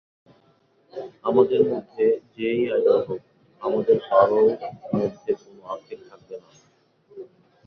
আমাদের মধ্যে যে-ই আইডল হোক, আমাদের কারও মধ্যে কোনো আক্ষেপ থাকবে না।